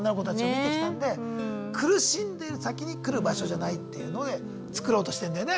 見てきたんで苦しんでる先に来る場所じゃないっていうので作ろうとしてんだよね